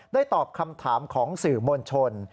ตอบคำถามของสื่อมวลชน